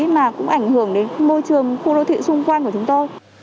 mà cũng ảnh hưởng đến môi trường khu đô thị xung quanh của chúng tôi